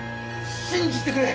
信じてくれ！